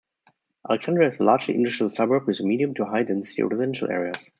Alexandria is a largely industrial suburb with medium to high density residential areas.